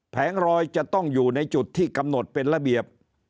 แงรอยจะต้องอยู่ในจุดที่กำหนดเป็นระเบียบ